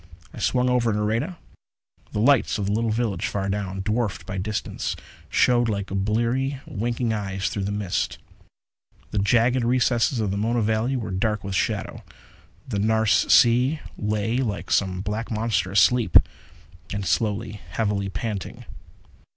I swung over Nareda. The lights of the little village, far down, dwarfed by distance, showed like bleary, winking eyes through the mists. The jagged recesses of the Mona valley were dark with shadow. The Nares Sea lay like some black monster asleep, and slowly, heavily panting.